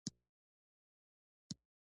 افغانستان له غرونه ډک دی.